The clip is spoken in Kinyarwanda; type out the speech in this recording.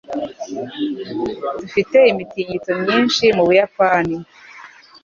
Dufite imitingito myinshi mu Buyapani.